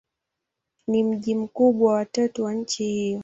Ni mji mkubwa wa tatu wa nchi hiyo.